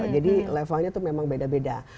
jadi levelnya itu memang beda beda